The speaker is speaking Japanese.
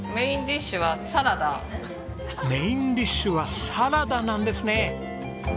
メインディッシュはサラダなんですね！